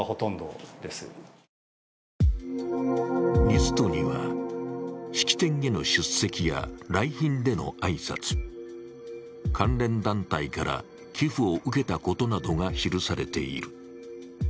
リストには、式典への出席や来賓での挨拶、関連団体から寄付を受けたことなどが記されている。